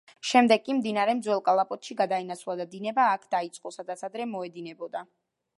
შემდეგ კი, მდინარემ ძველ კალაპოტში გადაინაცვლა და დინება იქ დაიწყო, სადაც ადრე მოედინებოდა.